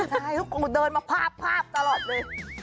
ใช่ทุกคนเดินมาพาบตลอดเลย